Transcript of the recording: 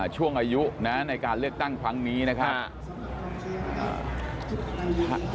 ช่วงอายุนะในการเลือกตั้งครั้งนี้นะครับ